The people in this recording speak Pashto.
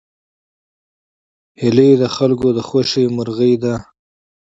هیلۍ د خلکو د خوښې مرغه ده